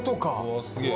おすげぇ。